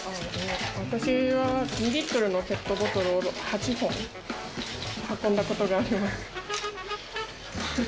私は２リットルのペットボトルを８本運んだことがあります。